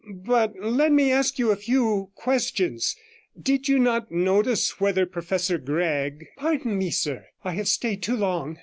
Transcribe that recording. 'But let me ask you a few questions. Did you notice whether Professor Gregg...' 'Pardon me, sir, I have stayed too long.